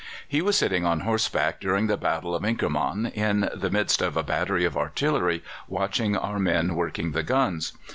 He was sitting on horseback during the Battle of Inkermann, in the midst of a battery of artillery, watching our men working the guns.